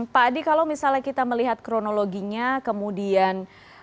pak adi kalau misalnya kita melihat kronologinya kemudian